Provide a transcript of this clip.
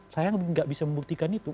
saya nggak bisa membuktikan itu